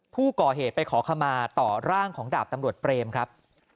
ผู้ก่อเหตุไปขอขมาต่อร่างของดาบตำรวจเปรมครับ